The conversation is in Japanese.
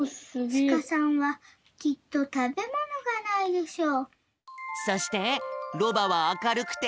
やぎさんはきっとなにもたべものがないでしょう」。